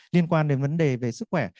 liên quan đến vấn đề về sức khỏe